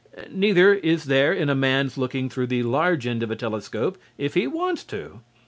Neither is there in a man's looking through the large end of a telescope if he wants to.